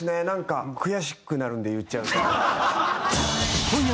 なんか悔しくなるんで言っちゃうと。